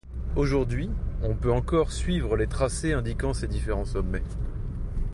Aujourd'hui, on peut encore suivre les tracés indiquant ces différents sommets.